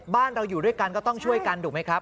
บ้านเราอยู่ด้วยกันก็ต้องช่วยกันถูกไหมครับ